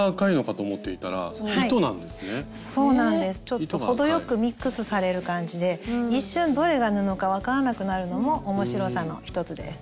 ちょっと程よくミックスされる感じで一瞬どれが布か分からなくなるのも面白さの一つです。